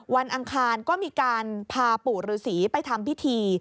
อังคารก็มีการพาปู่ฤษีไปทำพิธี